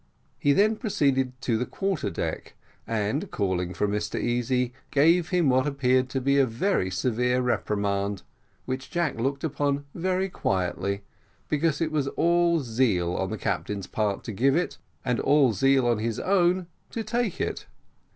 He then proceeded to the quarter deck, and, calling for Mr Easy, gave him what appeared to be a very severe reprimand, which Jack looked upon very quietly, because it was all zeal on the captain's part to give it, and all zeal on his own to take it.